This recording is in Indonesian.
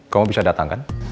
kamu bisa datang kan